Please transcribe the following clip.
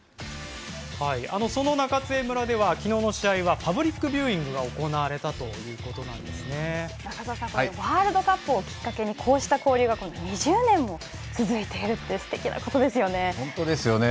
その中津江村では昨日の試合はパブリックビューイングが中澤さん、これワールドカップをきっかけにこうした交流が２０年も続いているって本当ですよね。